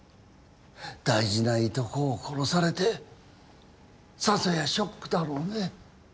大事ないとこを殺されてさぞやショックだろうね。